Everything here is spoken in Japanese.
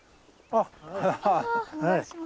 あお願いします。